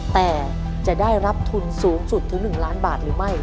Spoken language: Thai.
แต่จะได้รับทุนสูงสุดถึง๑ล้านบาทหรือไม่